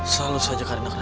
selalu saja karina kenapa